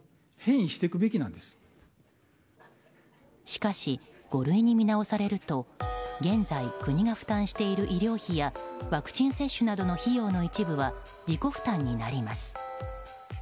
しかし、五類に見直されると現在国が負担している医療費やワクチン接種などの費用の一部は自己負担になります。